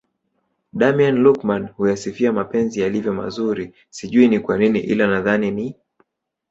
Daima Luqman huyasifia mapenzi yalivyo mazuri sijui ni kwanini ila nadhani ni